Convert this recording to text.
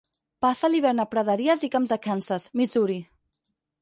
Passa l'hivern a praderies i camps de Kansas, Missouri.